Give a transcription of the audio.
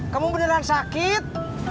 kamu beneran sakit